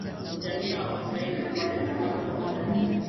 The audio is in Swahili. Jamii ya Wamasai inafuata sana mfumo dume